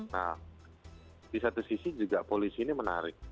nah di satu sisi juga polisi ini menarik